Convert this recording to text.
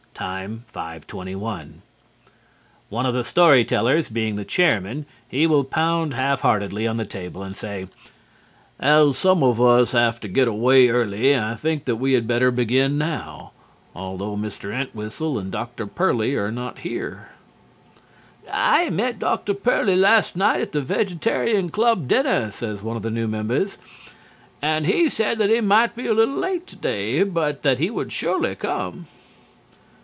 Time 5:21. One of the story tellers being the Chairman, he will pound half heartedly on the table and say: "As some of us have to get away early, I think that we had better begin now, although Mr. Entwhistle and Dr. Pearly are not here." "I met Dr. Pearly last night at the Vegetarian Club dinner," says one of the members, "and he said that he might be a little late today but that he would surely come."